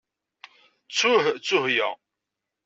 Ttuh ttuheya.